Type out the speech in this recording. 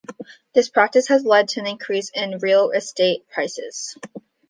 This practice has led to an increase in real estate prices.